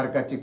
jaga se cnk